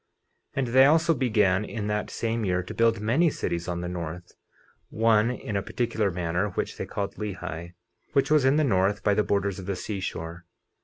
50:15 And they also began in that same year to build many cities on the north, one in a particular manner which they called Lehi, which was in the north by the borders of the seashore.